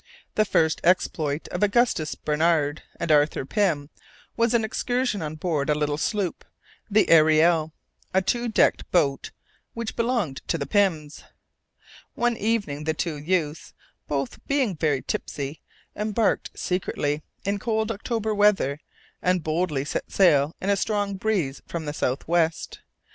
The first exploit of Augustus Barnard and Arthur Pym was an excursion on board a little sloop, the Ariel, a two decked boat which belonged to the Pyms. One evening the two youths, both being very tipsy, embarked secretly, in cold October weather, and boldly set sail in a strong breeze from the south west.